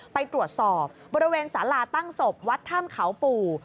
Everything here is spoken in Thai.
ไปตรวจสอบบริเวณสาราตั้งศพวัดถ้ำเขาปู่